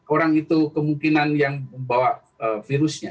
orang itu kemungkinan yang membawa virusnya